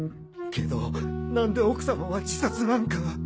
けどなんで奥様は自殺なんか。